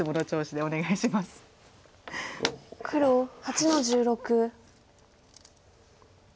黒８の十六。